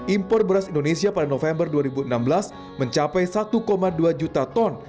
impor beras indonesia pada november dua ribu enam belas mencapai satu dua juta ton